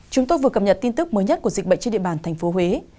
chúng tôi vừa cập nhật tin tức mới nhất của dịch bệnh trên địa bàn tp huế